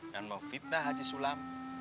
dan memfitnah haji sulam